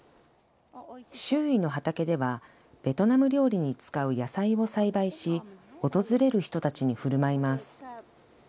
周囲の畑では、ベトナム料理に使う野菜を栽培し、訪れる人たちにふるまいます。